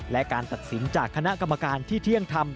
และการตัดสินจากคณะกรรมการที่เที่ยงทำ